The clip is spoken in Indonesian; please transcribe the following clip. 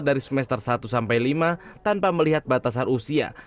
dari semester satu sampai lima tanpa melihat batasan usia